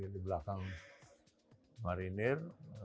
di belakang marinir